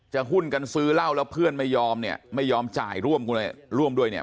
หุ้นกันซื้อเหล้าแล้วเพื่อนไม่ยอมเนี่ยไม่ยอมจ่ายร่วมด้วยเนี่ย